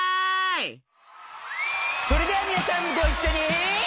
それではみなさんごいっしょに。